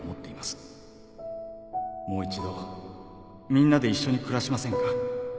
「もう一度みんなで一緒に暮らしませんか」